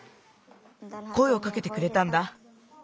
こえをかけてくれたんだ。